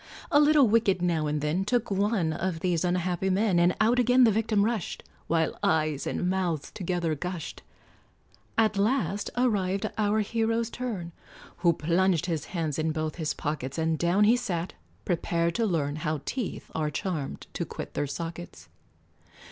A little wicket now and then Took one of these unhappy men, And out again the victim rushed, While eyes and mouth together gushed; At last arrived our hero's turn, Who plunged his hands in both his pockets, And down he sat, prepared to learn How teeth are charmed to quit their sockets.